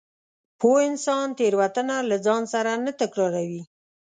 پوه انسان تېروتنه له ځان سره نه تکراروي.